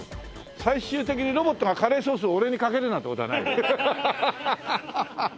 最終的にロボットがカレーソースを俺にかけるなんて事はない？